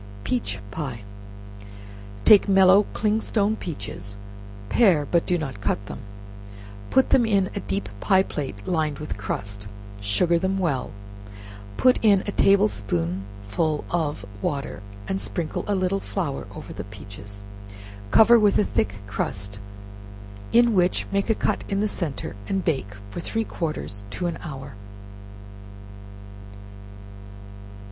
Peach Pie. Take mellow clingstone peaches, pare, but do not cut them; put them in a deep pie plate lined with crust, sugar them well, put in a table spoonful of water, and sprinkle a little flour over the peaches; cover with a thick crust, in which make a cut in the centre, and bake from three quarters to one hour.